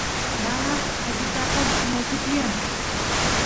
nanas allichakoq nayku tiyan